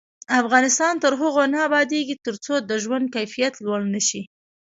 افغانستان تر هغو نه ابادیږي، ترڅو د ژوند کیفیت لوړ نشي.